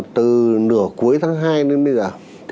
từ nửa cuối tháng hai đến bây giờ